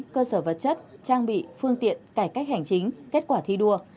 cơ sở vật chất trang bị phương tiện cải cách hành chính kết quả thi đua